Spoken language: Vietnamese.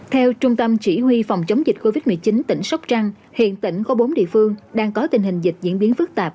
theo trung tâm chỉ huy phòng chống dịch covid một mươi chín tỉnh sóc trăng hiện tỉnh có bốn địa phương đang có tình hình dịch diễn biến phức tạp